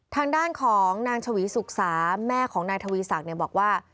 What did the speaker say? ทางด้านของนางชวีสุขสาแม่ของนายทวีศักดิ์บอกว่า